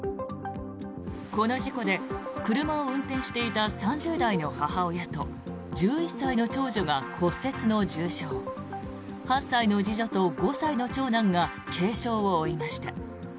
この事故で車を運転していた３０代の母親と１１歳の長女が骨折の重傷８歳の次女と５歳の長男が軽傷を負いました。